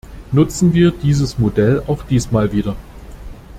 Nutzen wir dieses Modell auch diesmal wieder!